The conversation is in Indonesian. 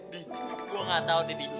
di gue gak tau didi